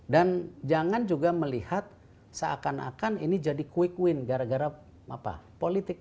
dan jangan juga melihat seakan akan ini jadi quick win gara gara politik